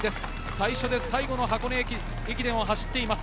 最初で最後の箱根駅伝を走っています。